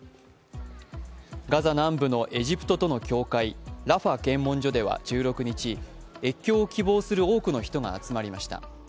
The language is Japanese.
ガザ南部のエジプトとの境界、ラファ検問所では１６日、越境を希望する多くの人が集まりました。